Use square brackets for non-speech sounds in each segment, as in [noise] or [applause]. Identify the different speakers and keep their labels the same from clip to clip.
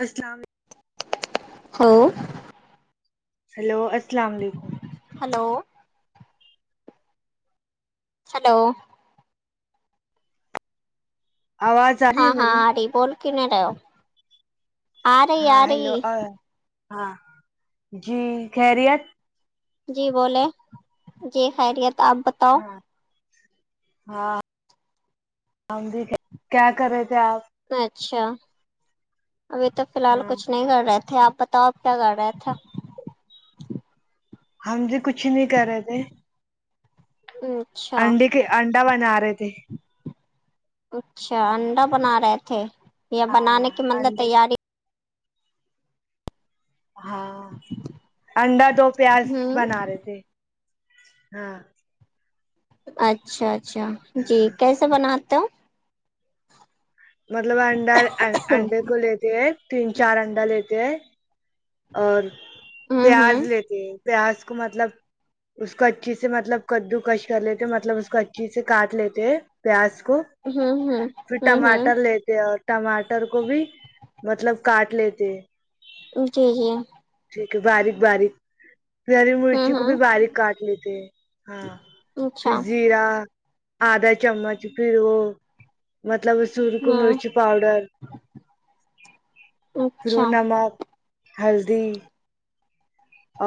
Speaker 1: اسلام علیکم
Speaker 2: ہاں
Speaker 1: ہیلو اسلام و علیکم
Speaker 2: ہیلو ہیلو
Speaker 1: آواز آ رہی ہے
Speaker 2: ہاں ہاں
Speaker 1: میری
Speaker 2: آ رہی بول کیوں نہیں رہےہو آرہی
Speaker 1: ہاں
Speaker 2: آرہی
Speaker 1: ہیلو ہاں جی خیریت
Speaker 2: جی بولے جی خیریت آپ بت
Speaker 1: ہاں ہاں ہاں جی کیا کر رہے تھے آپ
Speaker 2: اچھا ابھی تو فی الحال
Speaker 1: ہاں
Speaker 2: کچھ نہیں کر رہے تھے آپ تو اپ کیا کررہے تھے
Speaker 1: ہم جی کچھ نہیں کر رہے تھے
Speaker 2: ام
Speaker 1: انڈے کے انڈا بنا رہے تھے
Speaker 2: اچھا انڈا بنا رہے تھے یا
Speaker 1: ہاں
Speaker 2: بنانے کی مطلب
Speaker 1: انڈے
Speaker 2: تیاری
Speaker 1: ہاں انڈا دو پیاز
Speaker 2: ہوں
Speaker 1: بنا رہے تھے ہاں
Speaker 2: اچھا اچھا جی
Speaker 1: ہاں
Speaker 2: کیسے بناتے ہو
Speaker 1: مطلب انڈا
Speaker 2: ہوں
Speaker 1: انڈے کو لیتے ہیں تین چار انڈا لیتے ہیں اور پیاز
Speaker 2: ہوں
Speaker 1: لیتے ہیں پیاز کو مطلب اس کو اچھی سے مطلب کدو کش کر لیتے مطلب اس کو اچھی سے کاٹ لیتے ہیں پیاز کو
Speaker 2: ہوں ہوں
Speaker 1: پھر
Speaker 2: ہوں
Speaker 1: ٹماٹر
Speaker 2: ہوں
Speaker 1: لیتے اور ٹماٹر کو بھی مطلب کاٹ لیتے ہیں
Speaker 2: جی جی
Speaker 1: ٹھیک ہے باریک باریک ہری مرچی
Speaker 2: ہوں
Speaker 1: کو بھی
Speaker 2: ہوں
Speaker 1: باریک کاٹ لیتے ہیں ہاں پھر
Speaker 2: اچھا
Speaker 1: زیرا آدھا چمچ پھر وہ مطلب اس سرکو
Speaker 2: ہوں
Speaker 1: مرچی پاؤڈر پھرو وه
Speaker 2: اچھا
Speaker 1: نمک ہلدی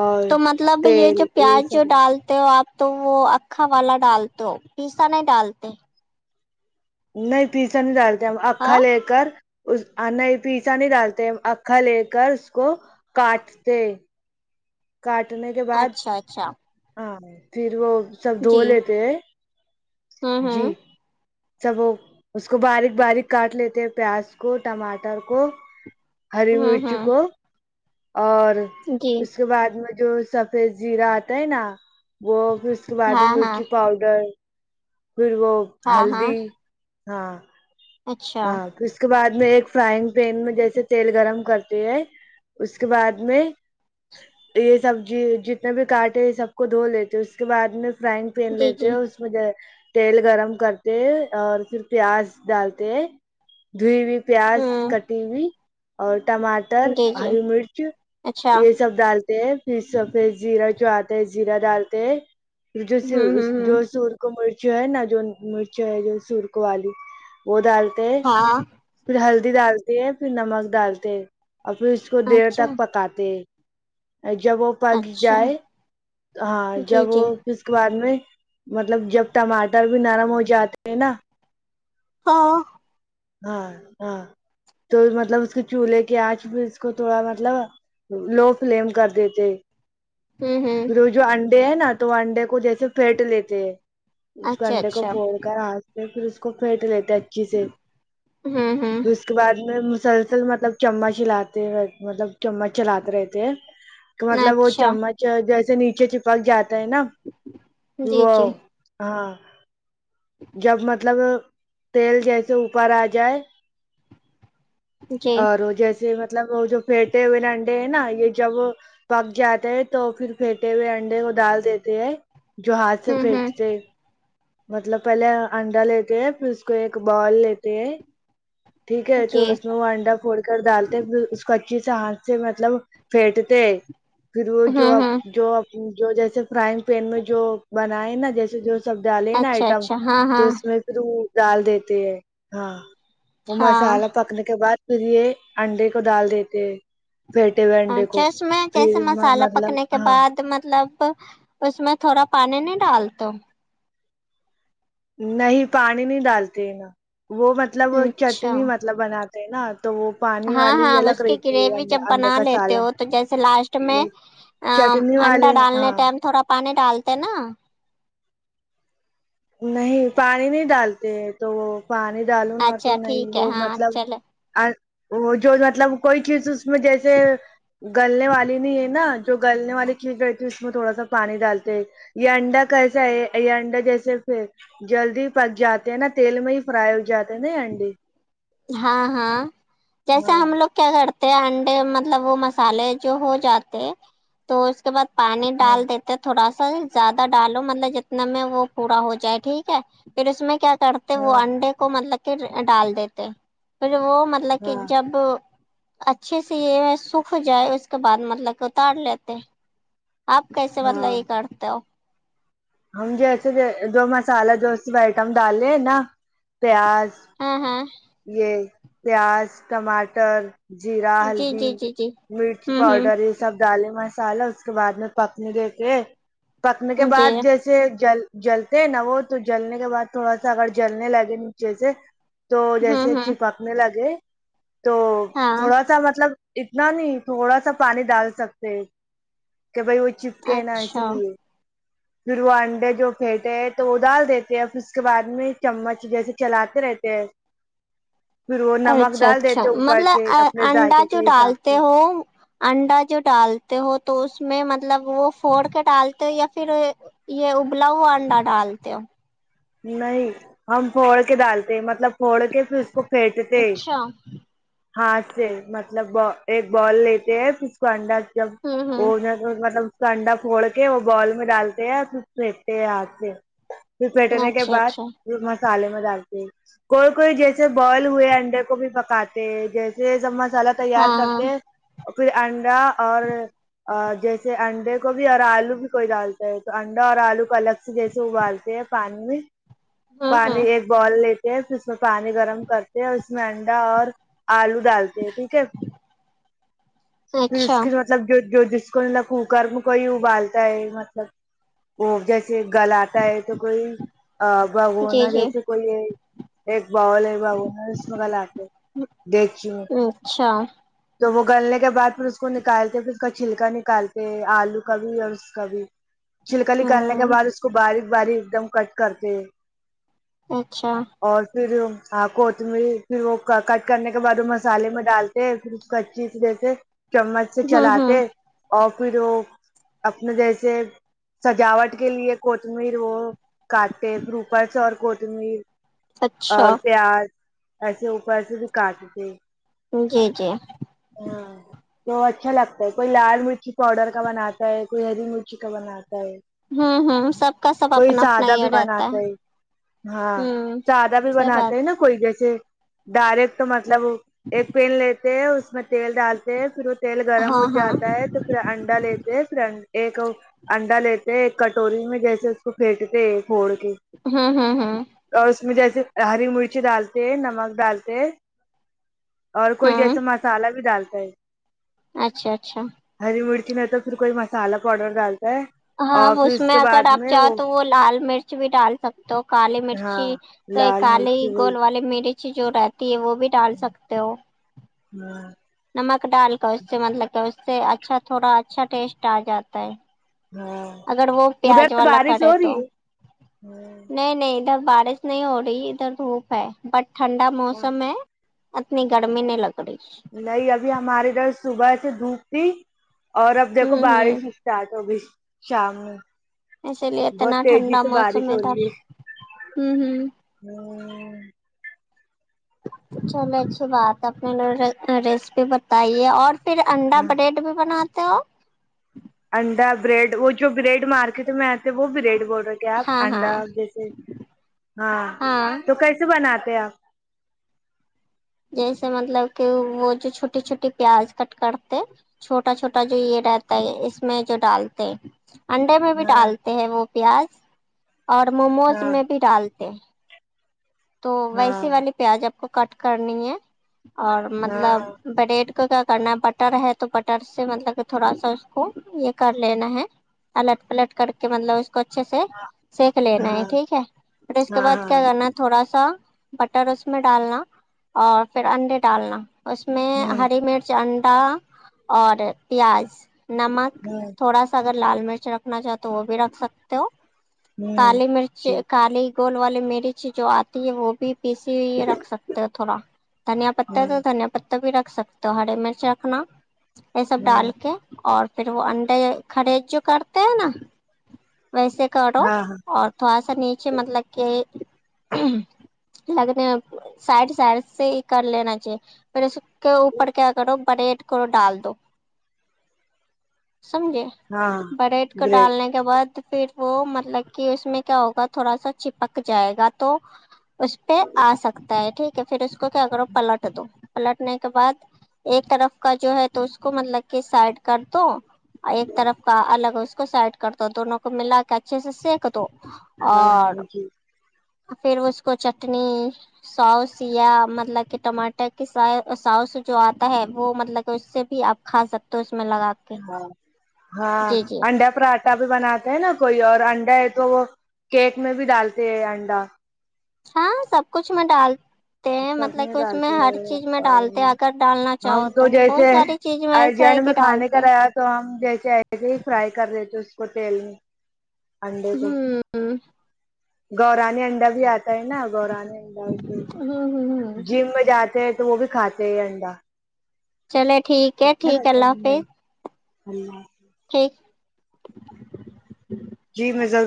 Speaker 1: اور
Speaker 2: تو مطلب یہ
Speaker 1: تیل
Speaker 2: جو پیاج جو
Speaker 1: سب
Speaker 2: ڈال تو آپ تو وہ اکھا والا ڈالتے ہو پیسا نہ ڈالتے
Speaker 1: مائی بیسن ڈالتی ہوں اکھا
Speaker 2: ہاں
Speaker 1: لے کر اس ا نئے پیسا نہیں ڈالتے ہم اکھا لے کر اس کو کاٹتے کاٹنے کے بعد
Speaker 2: اچھا اچھا
Speaker 1: ہاں پھر وہ سب دھو
Speaker 2: جی
Speaker 1: لیتے ہیں
Speaker 2: ہوں
Speaker 1: جی
Speaker 2: ہوں
Speaker 1: سب وہ اس کو باریک باریک کاٹ لیتے پیاز کو ٹماٹر کو ہری
Speaker 2: ہوں
Speaker 1: مرچ
Speaker 2: ہوں
Speaker 1: کو اور
Speaker 2: جی
Speaker 1: پھر بعد میں جو سفید زیرہ آتا ہے نا وہ پھر اس کے بعد
Speaker 2: ہاں
Speaker 1: میں
Speaker 2: ہاں
Speaker 1: مرچی پاؤڈر پھر وہ
Speaker 2: ہاں ہاں
Speaker 1: ہلدی ہاں
Speaker 2: اچھا
Speaker 1: ہاں پھر اس کے بعد میں ایک فرائنگ پین میں جیسے تیل گرم کرتے ہے اس کے بعد میں یہ سبزی جتنے بھی کاٹے ہیں سب کو دھو لیتے اس کے بعد میں فرائنگ پین
Speaker 2: جی
Speaker 1: لیتے
Speaker 2: جی
Speaker 1: اس میں تیل گرم کرتے ہیں اور پھر پیاز ڈال تے دھوئ پیاز
Speaker 2: ہوں
Speaker 1: کٹی ہوئی اور ٹماٹر
Speaker 2: جی
Speaker 1: ٹر
Speaker 2: جی
Speaker 1: ہری مرچ
Speaker 2: اچھا
Speaker 1: یہ سب ڈالتے پھر سفید زیرہ جو آتا ہے زیرہ ڈالتے جو
Speaker 2: ہوں
Speaker 1: سر
Speaker 2: ہوں ہوں
Speaker 1: جو سر کو مرچ ہے نا جو مرچ ہے جو سر کو الو وہ ڈالتے
Speaker 2: ہاں
Speaker 1: پھر ہلدی ڈالتے پھر نمک ڈالتے اور پھر اس کو دیر
Speaker 2: اچھا
Speaker 1: تک پکاتے ا جب وہ پک
Speaker 2: اچھا
Speaker 1: جائے ہاں
Speaker 2: جی
Speaker 1: جب
Speaker 2: جی
Speaker 1: وه پھر اس کے بعد میں مطلب جب ٹماٹر بھی نرم ہو جاتے ہیں نا
Speaker 2: ہاں
Speaker 1: ہاں ہاں تو مطلب اس کے چولہے کی آنچ بھی اس کو تھوڑا مطلب لو فلیم کر د یتے
Speaker 2: ہوں ہوں
Speaker 1: جو انڈے ہے نا تو وہ انڈے کو جیسے پھیٹ لیتے ہیں اس کو
Speaker 2: اچھا
Speaker 1: انڈے کو
Speaker 2: اچھا
Speaker 1: پھوڑ کرا تے پھر اس کو پھیٹ لیتے اچھے سے
Speaker 2: ہوں ہوں
Speaker 1: وسک اس کے بعد میں مسلسل مطلب چمچ ہلاتے مطلب چمچ چلاتے رہتے تو مطلب وہ
Speaker 2: اچھا
Speaker 1: چمچ جیسے نیچے چپک جاتا ہے نا
Speaker 2: جی
Speaker 1: وہ
Speaker 2: جی
Speaker 1: ہاں جب مطلب تیل جیسے اوپر آ جائے
Speaker 2: جی
Speaker 1: اور وہ جیسے مطلب وہ جو پھیٹے ہوئے انڈے ہیں نا یہ جب پک جاتے ہے تو پھر پھیٹے ہوئے انڈے کو ڈال دیتے ہے جو ہاتھ سے
Speaker 2: ہوں ہوں
Speaker 1: پھیٹتے ہے مطلب پہلے انڈا لیتے ہیں پھر اس کو ایک بال لیتے ہیں ٹھیک ہے تو
Speaker 2: جی
Speaker 1: اس وہ انڈا پھوڑ کر ڈالتے پھر اس کو اچھے سے ہاتھ سے مطلب پھینٹتے پھر وہ جو
Speaker 2: ہوں
Speaker 1: اپ
Speaker 2: ہوں
Speaker 1: جو اپ جو جیسے فرائنگ پین میں جو بنائے نا جیسے جو سب ڈالے نا
Speaker 2: اچھا
Speaker 1: آئٹم
Speaker 2: اچھا ہاں
Speaker 1: تو
Speaker 2: ہاں
Speaker 1: اس میں پھر وہ ڈال دیتے ہے ہاں وہ
Speaker 2: ہاں
Speaker 1: مصالہ پکنے کے بعد پھر یہ انڈے کو ڈال دیتے پھیٹے ہوئے
Speaker 2: ہاں
Speaker 1: انڈے کو
Speaker 2: چش میں جیسے
Speaker 1: پھر
Speaker 2: مسالہ
Speaker 1: مطلب
Speaker 2: پکنے کے
Speaker 1: ہاں
Speaker 2: بعد مطلب اس میں تھوڑا پانی نہیں ڈالتے ہو
Speaker 1: نہیں پانی نہیں ڈالتے ہے نا وہ مطلب
Speaker 2: اچھا
Speaker 1: چٹنی مطلب بنات
Speaker 2: ہاں ہاں اس کی
Speaker 1: رہتی ہے
Speaker 2: گریوی جب
Speaker 1: انڈے
Speaker 2: بنا
Speaker 1: کا
Speaker 2: لیتے
Speaker 1: سالن
Speaker 2: ہو تو جیسے لاشٹ میں
Speaker 1: یہ
Speaker 2: ا
Speaker 1: چٹنی
Speaker 2: انڈا
Speaker 1: والے
Speaker 2: ڈالنے
Speaker 1: ہاں
Speaker 2: ٹائم تھوڑا پانی ڈالتے نا
Speaker 1: نہیں پانی نہیں ڈالتے ہیں تو وہ پانی ڈالو نا تو
Speaker 2: اچھا
Speaker 1: نہیں
Speaker 2: ٹھیک ہے
Speaker 1: وہ
Speaker 2: ہاں
Speaker 1: مطلب
Speaker 2: چلے
Speaker 1: اور وہ جو مطلب کوئی چیز اس میں جیسے گلنے والی نہیں ہے نا جو گلنے والی چیز رہتی ہے اس میں تھوڑا سا پانی ڈالتے یہ انڈا کیسا ہے یہ انڈا جیسے پھر جلدی پک جاتے ہیں نا تیل میں ہی فرائی ہو جاتے ہیں نا انڈے
Speaker 2: ہاں ہاں جیسا
Speaker 1: ہاں
Speaker 2: ہم لوگ کیا کرتے ہیں انڈے مطلب وہ مسالے جو ہو جاتے تو اس کے بعد پانی
Speaker 1: ہاں
Speaker 2: ڈال دیتے تھوڑا سا زیادہ ڈالو مطلب جتنا میں وہ پورا ہو جائے ٹھیک ہے پھر اس میں کیا کر تو وہ
Speaker 1: ہاں
Speaker 2: انڈے کو مطلب کہ ڈال دیتے پھر وہ مطلب کہ
Speaker 1: ہاں
Speaker 2: جب اچھے سے یہ سوکھ جائے اس کے بعد مطلب کہ اتار لیتے آپ کیسے مطلب
Speaker 1: ہاں
Speaker 2: یہ کرتے ہو
Speaker 1: ہم جیسے جو مسالہ جو اس میں آئٹم ڈال رہے ہیں نا پیاز
Speaker 2: ہاں ہاں
Speaker 1: یہ پیاز ٹماٹر زیرا
Speaker 2: جی
Speaker 1: ہلدی
Speaker 2: جی جی جی
Speaker 1: مرچی
Speaker 2: ہوں
Speaker 1: پاؤڈر
Speaker 2: ہوں
Speaker 1: اس سب دالیں مسالا اس کے بعد میں پکنے دیتے پکنے کے
Speaker 2: جی
Speaker 1: بعد جیسے سے جل جلتے نا وہ تو جلنے کے بعد تھوڑا سا اگر جلنے لگے نیچے سے تو جیسے
Speaker 2: ہوں ہوں
Speaker 1: چپکنے لگے تو
Speaker 2: ہاں
Speaker 1: تھوڑا سا مطلب اتنا نہیں تھوڑا سا پانی ڈال سکتے کہ بھائی وہ چپکے نا اسی
Speaker 2: اچھا
Speaker 1: لیے پھر وہ انڈے جو پھینٹے ہیں تو وہ ڈال دیتے پھر اس کے بعد میں چمچ جیسے چلاتے رہتے ہیں پھر وہ نمک
Speaker 2: اچھا
Speaker 1: ڈال
Speaker 2: اچھا
Speaker 1: دیتے اوپر
Speaker 2: مطلب
Speaker 1: سے اپنے
Speaker 2: انڈا
Speaker 1: ذائقے
Speaker 2: جو
Speaker 1: کے حساب
Speaker 2: ڈالتے
Speaker 1: سے
Speaker 2: ہو انڈا جو ڈالتے ہو تو اس میں مطلب وہ فھوڑ کے ڈالتے ہو یا پھر یہ ابلا ہوا انڈا ڈالتے ہو
Speaker 1: نہیں ہم پھوڑ کے ڈالتے مطلب پھوڑ کے پھر اس کو پھیکتے ہے
Speaker 2: اچھا
Speaker 1: ہاتھ سے مطلب ایک بال لیتے ہیں پھر اس کو انڈا جب
Speaker 2: ہوں ہوں
Speaker 1: وہ مطلب اس کا انڈا پھوڑ کے وہ بال میں ڈالتے ہیں پھر پھینکتے ہیں ہاتھ سے بیٹنے کے
Speaker 2: اچھا
Speaker 1: بعد
Speaker 2: اچھا
Speaker 1: مسالے میں ڈالتے ہے کوئی کوئی جیسے بوائل ہوئے انڈے کو بھی پکاتے جیسے سب مسالہ تیار
Speaker 2: ہاں
Speaker 1: کرتے پھر انڈا اور اور جیسے انڈے کو بھی اور آلو بھی کوئی ڈالتا ہے تو انڈا اور آلو کو الگ سے جیسے ابالتے ہیں پانی میں
Speaker 2: ہوں
Speaker 1: پانی
Speaker 2: ہوں
Speaker 1: ایک بال لے پھر اس میں پانی گرم کرتے ہیں اور اس میں انڈا اور آلو ڈالتے ہیں پھر تے [inaudible] پھر
Speaker 2: اچھا
Speaker 1: اسکے بعد مطلب جو جو جس کو مطلب کوکر میں کوئی ابالتا ہے مطلب وہ جیسے گلاتا ہے تو کوئی بھگونا
Speaker 2: جی جی
Speaker 1: جیسے کوئی ایک باول ہے اس میں گلتے دیکھچی میں
Speaker 2: اچھا
Speaker 1: تو وہ گلنے کے بعد پھر اس کو نکالتے پھر اس کا چھلکا نکالتے آلو کا بھی اور اس کا بھی چھلکا نکالنے کے
Speaker 2: ہوں
Speaker 1: بعد اس کو باریک باریک ایک دم کٹ کرتے ہے
Speaker 2: اچھا
Speaker 1: اور پھر کوتمیر پھر وہ کٹ کرنے کے بعد وہ مسالے میں ڈال پھر اس اچھے سے جیسے چمچ سے
Speaker 2: ہوں
Speaker 1: چلاتے
Speaker 2: ہوں
Speaker 1: اور پھر وہ اپنے جیسے سجاوٹ کے لیے کوتمیر وہ کاٹتے پھر اوپر سے اور کوتمیر
Speaker 2: اچھا
Speaker 1: اور پیاز ایسے اپر سے بھی کاٹ تھے
Speaker 2: جی جی
Speaker 1: ہاں تو اچھا لگتا ہے کوئی لال مرچی پاؤڈر کا بناتا ہے کوئی ہری مرچی کا بناتا ہے
Speaker 2: ہوں ہوں سب کا سب اپ
Speaker 1: کوئی سادہ بھی بناتے ہے ہاں
Speaker 2: ہوں
Speaker 1: سادہ بھی
Speaker 2: سب
Speaker 1: بناتے
Speaker 2: بات
Speaker 1: ہیں نا کوئی جیسے ڈائریکٹ تو مطلب ایک پین لیتے ہیں اس میں تیل ڈالتے ہیں پھر وہ تیل گرم
Speaker 2: ہاں
Speaker 1: ہو
Speaker 2: ہاں
Speaker 1: جاتا ہے تو پھر انڈا لیتے پھر ایک انڈا لیتے ایک کٹوری میں جیسے اس کو بریڈ پہ پھوڈ کے
Speaker 2: ہاں ہاں ہاں
Speaker 1: اور اس میں جیسے ہری مرچی ڈالتے ہیں نمک ڈالتے ہیں اور کوئی
Speaker 2: ہوں
Speaker 1: جیسے مسالہ بھی ڈالتا ہے
Speaker 2: اچھا اچھا
Speaker 1: ہری مرچی نہیں تو پھر کوئی مسالا پاؤڈر ڈالتے ہیں
Speaker 2: ہاں اس میں اگر آپ چاہو تو وہ لال مرچ بھی ڈال سکتے ہو کالی
Speaker 1: ہاں
Speaker 2: مرچی
Speaker 1: لال
Speaker 2: کالی
Speaker 1: مرچی وہی
Speaker 2: گول والی مرچ اچھی جو رہتی ہے وہ بھی ڈال سکتے ہو
Speaker 1: ہوں
Speaker 2: نمک ڈال کر اس سے مطلب کہ اس سے اچھا تھوڑا اچھا ٹیسٹ آ جاتا ہے
Speaker 1: ہاں
Speaker 2: اگر وہ
Speaker 1: ادھر
Speaker 2: پیاز والا
Speaker 1: بارش
Speaker 2: کرے
Speaker 1: ہو رہی
Speaker 2: تو
Speaker 1: ہے
Speaker 2: نہیں نہیں ادھر بارش نہیں ہو رہی ادھر دھوپ ہے بٹ ٹھنڈا موسم ہے اتنی گرمی نہیں لگری
Speaker 1: نہیں ابھی ہماری ادھر صبح سے دھوپ تھی اور اب دیکھو
Speaker 2: ہوں
Speaker 1: بارش
Speaker 2: ہوں
Speaker 1: چاٹو بھی شام میں
Speaker 2: اسی لیے
Speaker 1: بہت
Speaker 2: اتنا
Speaker 1: تیزی
Speaker 2: ٹھنڈا
Speaker 1: سے
Speaker 2: موسم
Speaker 1: بارش
Speaker 2: ادھر ہوں ہوں
Speaker 1: ہوں
Speaker 2: چلو اچھی بات ہے اپنے راریس بھی بتائیے اور پھر انڈا بریڈ بھی بناتے ہو
Speaker 1: انڈا بریڈ وہ جو بریڈ مارکیٹ میں آتے وہ بریڈ بولتے تو کیا آپ
Speaker 2: ہاں ہاں
Speaker 1: انڈا جیسے ہاں تو کیسے بناتے آپ
Speaker 2: جیسے مطلب کہ وہ جو چھوٹی چھوٹی پیاز کٹ کرتے چھوٹا چھوٹا جو یہ رہتا ہے اس میں جو ڈالتے ہیں انڈے میں بھی
Speaker 1: ہاں
Speaker 2: ڈالتے ہیں وہ پیاز اور موموز
Speaker 1: ہاں
Speaker 2: میں بھی ڈالتے ہیں تو ویسی
Speaker 1: ہاں
Speaker 2: والی پیاز آپ کو کٹ کرنی ہے اور مطلب
Speaker 1: ہاں
Speaker 2: بریڈ تو کیا کرنا ہے بٹر ہے تو بٹر سے مطلب تھوڑا سا اس کو یہ کر لینا ہے الٹ پلٹ کر کے مطلب اس کو اچھے سے سیکھ لینا ہے
Speaker 1: ہاں
Speaker 2: ٹھیک ہے پھر اس کے
Speaker 1: ہاں
Speaker 2: بعد کیا
Speaker 1: ہاں
Speaker 2: کرنا تھوڑا سا بٹر اس میں ڈالنا اور پھر انڈے ڈالنا اس میں
Speaker 1: ہوں
Speaker 2: ہری مرچ انڈا اور پیاز نمک
Speaker 1: ہاں
Speaker 2: تھوڑا سا اگر لال مرچ رکھنا چاہ تو وہ بھی رکھ سکتے ہو
Speaker 1: ہوں
Speaker 2: کالی مرچ
Speaker 1: جی
Speaker 2: کالی گول والے مرچی جو آتی ہے وہ بھی پیسی ہوئی رکھ سکتے ہو تھوڑا دھنیا پتہ ہے
Speaker 1: ہوں
Speaker 2: تو دھنیا پتہ بھی رکھ سکتے تو ہری مرچ رکھنا یہ سب
Speaker 1: ہوں
Speaker 2: ڈال کے اور پھر وہ انڈے کھڑے جو کرتے ہیں نا ویسے کرو
Speaker 1: ہاں ہاں
Speaker 2: اور تھوڑا سا نیچے مطلب کہ لگنے سائڈ سائڈ سے ہی کر لینا چاہیے پھر س کے اوپر کیا کرو بریڈ کو ڈال دو سمجھے
Speaker 1: ہاں
Speaker 2: بریڈ کو ڈالنے اس کے بعد پھر وہ مطلب کہ اس میں کیا ہوگا تھوڑا سا چپک جائے گا تو اس پہ آ سکتا ہے ٹھیک ہے پھر اس کو کیا کرو پلٹ دو پلٹنے کے بعد ایک طرف کا جو ہے تو اس کو مطلب کہ سائڈ کردو ایک طرف کا الگ اس کو سائڈ کر دو دونوں کو ملا کے اچھے سے سیک دو
Speaker 1: اور ہمیں کیوں
Speaker 2: پھر اس کو چٹنی سوس یا مطلب کہ ٹماٹر کی سو سوس جو آتا ہے وہ مطلب کہ اس سے بھی آپ کھا سکتے ہو اس میں لگا کے
Speaker 1: ہاں ہاں
Speaker 2: جی جی
Speaker 1: انڈا پراٹا تا بھی بناتے ہے نا کوئی اور انڈا ہے تو وہ کیک میں بھی ڈالتے ہے انڈا
Speaker 2: ہاں سب کچھ میں ڈال تے ہے
Speaker 1: سب
Speaker 2: مطلب کہ اس میں
Speaker 1: ڈالتے
Speaker 2: ہر
Speaker 1: ہیں
Speaker 2: چیز میں
Speaker 1: اور
Speaker 2: ڈالتے ہیں اگر ڈالنا
Speaker 1: ہم
Speaker 2: چاہو تو بہت
Speaker 1: جیسے
Speaker 2: ساری چیز میں ایسا ہے
Speaker 1: ارجنٹ میں
Speaker 2: کہ
Speaker 1: کھانے کا
Speaker 2: ڈالتے
Speaker 1: رہا تو ہم جیسے ایسے ہی فرائی کر لیتے اس کو تیل میں انڈے کو
Speaker 2: ہوں
Speaker 1: گورانے انڈا بھی آ ہےنا گورانے انڈا بھی
Speaker 2: ہوں ہوں ہوں
Speaker 1: جم میں جاتے ہیں تو وہ بھی کھاتے ہیں یہ انڈا
Speaker 2: چلے ٹھیک ہے ٹھیک ہے اللہ حافظ
Speaker 1: ه
Speaker 2: ٹھیک
Speaker 1: جی میں جلد